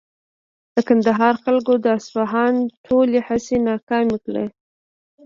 د کندهار خلکو د اصفهان ټولې هڅې ناکامې کړې.